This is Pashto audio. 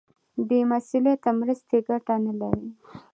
بې مسولیته مرستې ګټه نه لري.